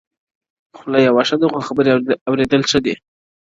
o خوله يوه ښه ده، خو خبري اورېدل ښه دي.